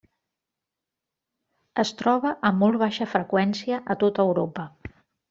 Es troba a molt baixa freqüència a tota Europa.